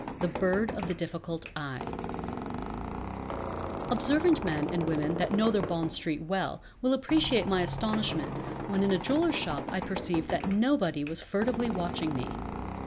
_" The Bird of the Difficult Eye Observant men and women that know their Bond Street well will appreciate my astonishment when in a jewellers' shop I perceived that nobody was furtively watching me.